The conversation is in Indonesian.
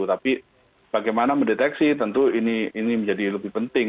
tapi bagaimana mendeteksi tentu ini menjadi lebih penting